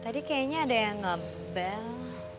tadi kayaknya ada yang ngebele